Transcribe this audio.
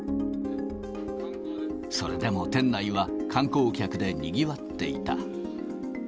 それでも店内は観光客でにぎわっていた。